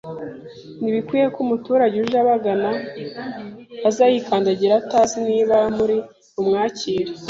Ntibikwiye ko umuturage uje abagana aza yikandagira atazi niba muri bumwakire